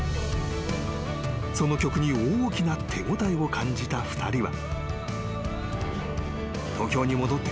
［その曲に大きな手応えを感じた２人は］